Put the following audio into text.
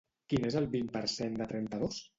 Quin és el vint per cent de trenta-dos?